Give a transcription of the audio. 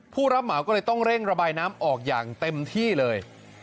ผู้รับเหมาก็เลยต้องเร่งระบายน้ำออกอย่างเต็มที่เลย